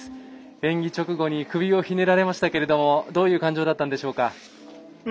演技直後に首をひねられましたけれどもどういう感情だったんでしょうか。